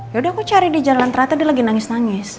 yaudah aku cari di jalan ternyata dia lagi nangis nangis